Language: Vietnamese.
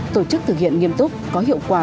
tổ chức thực hiện nghiêm túc có hiệu quả